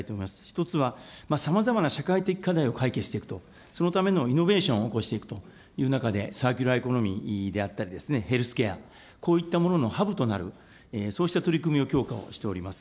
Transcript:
１つはさまざまな社会的課題を解決していくと、そのためのイノベーションを起こしていくという中で、エコノミーであったり、ヘルスケア、こういったもののハブとなる、そうした取り組みを強化しております。